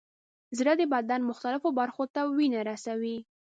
زړه د بدن مختلفو برخو ته وینه رسوي.